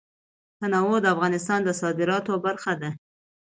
تنوع د افغانستان د صادراتو برخه ده.